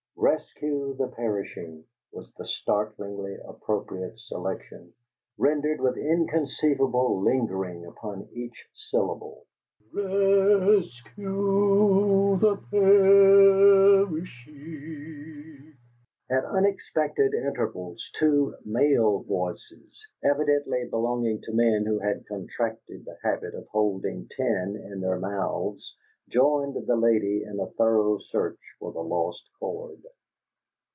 "Rescue the Perishing" was the startlingly appropriate selection, rendered with inconceivable lingering upon each syllable: "Roos cyoo the Poor oosh oong!" At unexpected intervals two male voices, evidently belonging to men who had contracted the habit of holding tin in their mouths, joined the lady in a thorough search for the Lost Chord.